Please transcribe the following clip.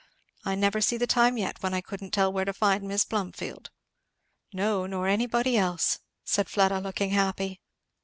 I never see the time yet when I couldn't tell where to find Mis' Plumfield." "No, nor anybody else," said Fleda looking happy.